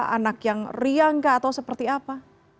anak yang riang kah atau seperti apa